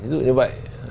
ví dụ như vậy